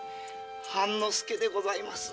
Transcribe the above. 半之助でございます。